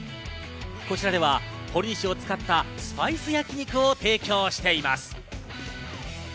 こちらでは、ほりにしを使ったスパイス焼肉を提供しています。